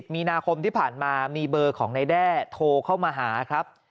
มีนาคมที่ผ่านมามีเบอร์ของนายแด้โทรเข้ามาหาครับ